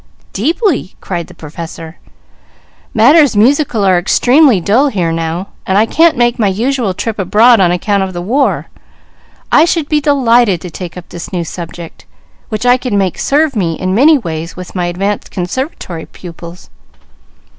"Deeply!" cried the Professor. "Matters musical are extremely dull here now, and I can't make my usual trip abroad on account of the war; I should be delighted to take up this new subject, which I could make serve me in many ways with my advanced Conservatory pupils."